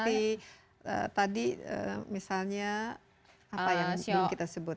sio macang ini seperti tadi misalnya apa yang dulu kita sebut